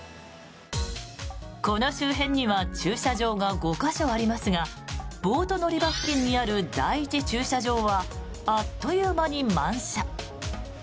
この周辺には駐車場が５か所ありますがボート乗り場付近にある第１駐車場はあっという間に満車。